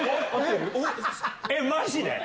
マジで？